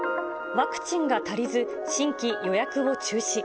ワクチンが足りず、新規予約を中止。